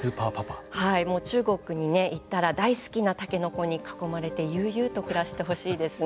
もう中国に行ったら大好きなタケノコに囲まれて悠々と暮らしてほしいですね。